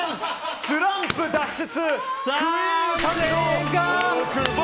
スランプ脱出！